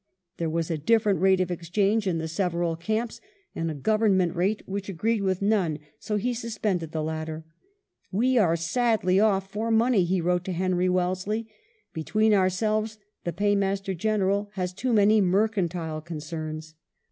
There was a different rate of exchange in the several camps, and a government rate which agreed with none, so he suspended the latter. "We are sadly off for money," he wrote to Henry Wellesley. " Between ourselves, the l^aymaster General has too many mercantile concerns."